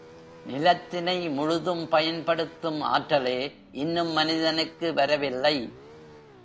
நிலத்தினை முழுதும் பயன்படுத்தும் ஆற்றலே இன்னும் மனிதனுக்கு வரவில்லை.